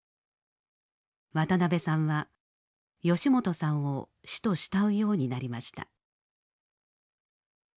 渡辺さんは吉本さんを師と慕うようになりました。